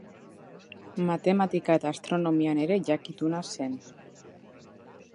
Matematika eta astronomian ere jakituna zen.